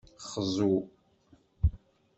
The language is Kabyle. Xzu.